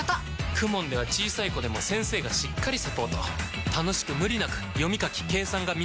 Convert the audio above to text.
ＫＵＭＯＮ では小さい子でも先生がしっかりサポート楽しく無理なく読み書き計算が身につきます！